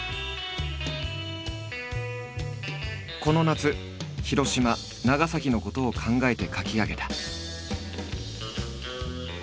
この夏広島長崎のことを考えて描き上げた。